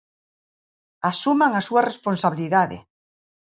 Asuman a súa responsabilidade.